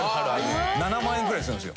７万円ぐらいするんですよ。